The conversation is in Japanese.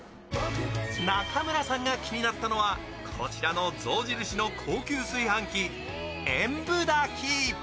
中村さんが気になったのはこちらの象印の高級炊飯器炎舞炊き。